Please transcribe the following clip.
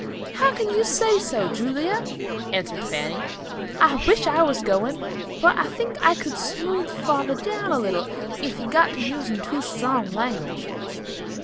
"How can you say so, Julia?" answered Fanny. "I wish I was going, for I think I could smooth father down a little if he got to using too strong language."